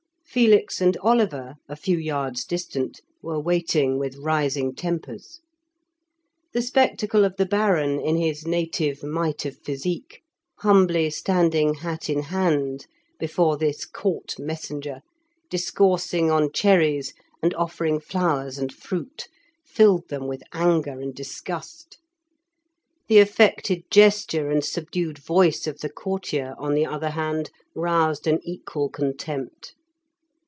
Felix and Oliver, a few yards distant, were waiting with rising tempers. The spectacle of the Baron in his native might of physique, humbly standing, hat in hand, before this Court messenger, discoursing on cherries, and offering flowers and fruit, filled them with anger and disgust. The affected gesture and subdued voice of the courtier, on the other hand, roused an equal contempt.